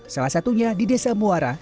salah satunya di desa muara